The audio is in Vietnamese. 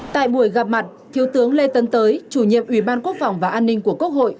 tại buổi gặp mặt thiếu tướng lê tân tới chủ nhiệm ủy ban quốc phòng và an ninh của quốc hội